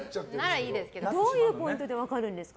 どういうポイントで分かるんですか？